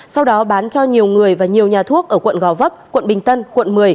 sau đó bán cho nhiều người và nhiều nhà thuốc ở quận gò vấp quận bình tân quận một mươi